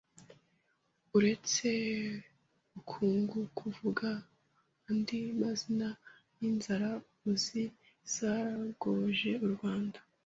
Uretse Rukungugu vuga andi mazina y’inzara uzi zayogoje u Rwanda